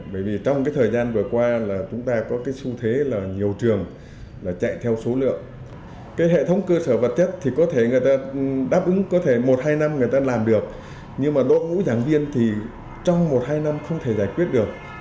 bởi vì trong thời gian vừa qua chúng ta có xu thế là nhiều trường chạy theo số lượng hệ thống cơ sở vật chất thì đáp ứng có thể một hai năm người ta làm được nhưng mà đội ngũ giảng viên thì trong một hai năm không thể giải quyết được